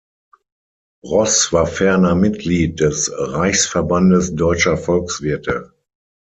Roß war ferner Mitglied des Reichsverbandes Deutscher Volkswirte.